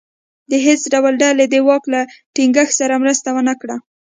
د هېڅ یوې ډلې دواک له ټینګښت سره مرسته ونه کړه.